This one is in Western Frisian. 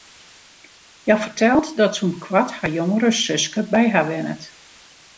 Hja fertelt dat sûnt koart har jongere suske by har wennet.